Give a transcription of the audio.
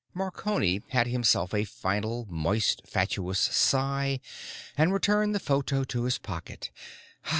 Marconi had himself a final moist, fatuous sigh and returned the photo to his pocket.